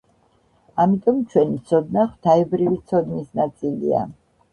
ამიტომ ჩვენი ცოდნა ღვთაებრივი ცოდნის ნაწილია.